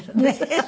ねえ。